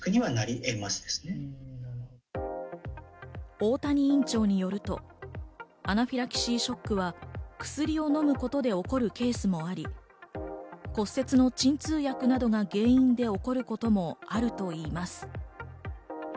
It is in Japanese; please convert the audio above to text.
大谷院長によると、アナフィラキシーショックは薬を飲むことで起こるケースもあり、骨折の鎮痛薬などが原因で起こることもあるといいます。